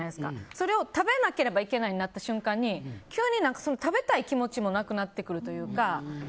それを食べなければいけないになった瞬間に急に食べたい気持ちもなくなってくるというか。